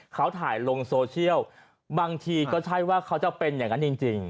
เขาถ่ายลงโซเชียลบางทีก็ใช่ว่าเขาจะเป็นอย่างนั้นจริง